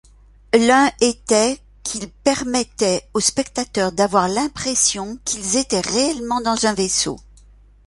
L'un était qu'il permettait aux spectateurs d'avoir l'impression qu'ils étaient réellement dans un vaisseau.